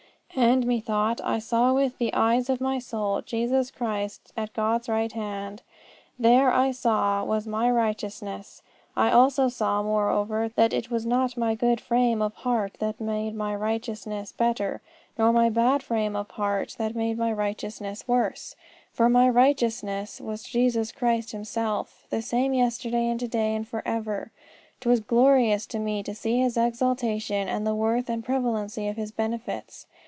And, methought, I saw with the eyes of my soul Jesus Christ at God's right hand. There, I saw, was my Righteousness. I also saw, moreover, that it was not my good frame of heart that made my Righteousness better, nor my bad frame of heart that made my Righteousness worse: for my Righteousness was Jesus Christ Himself, the same yesterday, and to day, and for ever. 'Twas glorious to me to see His exaltation, and the worth and prevalency of His benefits.